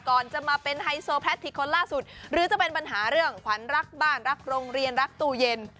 ก่อนจะมาเป็นไฮโซแพลตที่คนล่าสุดหรือจะเป็นปัญหาเรื่องขวัญรักบ้านรักโรงเรียนรักตู้เย็น